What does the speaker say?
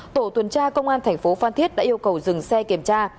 tổ tuần tra công an tp phan thiết đã yêu cầu dừng xe kiểm tra